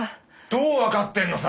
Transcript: どうわかってんのさ！？